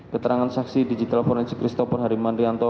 keterangan saksi digital forensik kristopher harimandrianto